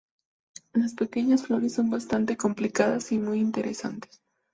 Las pequeñas flores son bastante complicadas y muy interesantes.